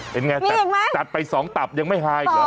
เป็นไงมีอีกมั้งจัดไปสองตับยังไม่ไหลเหรอ